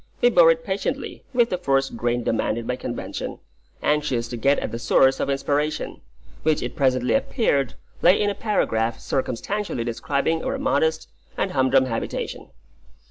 We bore it patiently, with the forced grin demanded by convention, anxious to get at the source of inspiration, which it presently appeared lay in a paragraph circumstantially describing our modest and humdrum habitation.